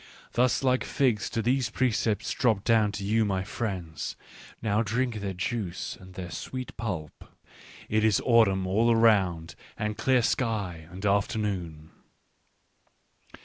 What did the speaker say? " Thus, like figs, do these precepts drop down to you, my friends; now drink their juice and their sweet pulp. " It is autumn all around, and clear sky, and afternoon."